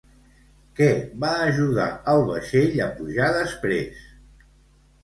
Què va ajudar al vaixell a pujar després?